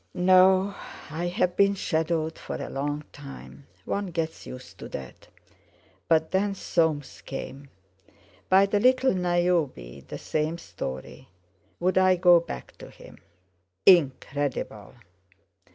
"No. I've been shadowed for a long time; one gets used to that. But then Soames came. By the little Niobe—the same story; would I go back to him?" "Incredible!"